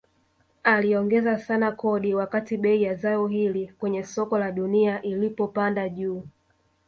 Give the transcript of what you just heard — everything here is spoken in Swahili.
Aliongeza sana kodi wakati bei ya zao hili kwenye soko la dunia ilipopanda juu